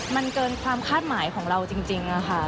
มันเกินความคาดหมายของเราจริงค่ะ